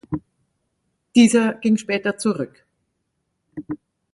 Dieser ging später zurück.